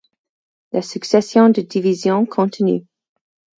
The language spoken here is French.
La succession de divisions continue.